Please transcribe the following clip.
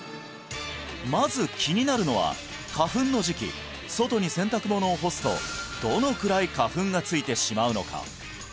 まず気になるのは花粉の時期外に洗濯物を干すとどのくらい花粉がついてしまうのか？